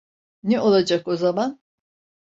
Ne olacak o zaman?